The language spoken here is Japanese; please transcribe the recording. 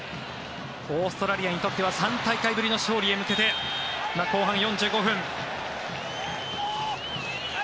オーストラリアにとっては３大会ぶりの勝利へ向けて後半４５分。